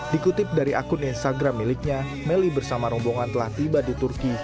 dikutip dari akun instagram miliknya melly bersama rombongan telah tiba di turki